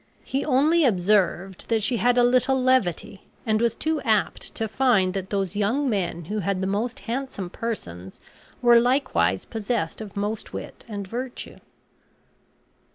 He only observed that she had a little levity; and was too apt to find that those young men who had the most handsome persons were likewise possessed of most wit and virtue.